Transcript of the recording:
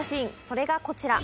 それがこちら。